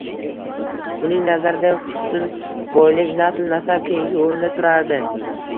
Uning nazarida husn, boylik, nasl-nasab keyingi o‘rinda turadi.